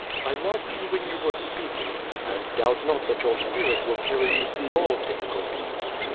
"I marked you when you were speaking, and doubt not that your spirit will carry you through all difficulties."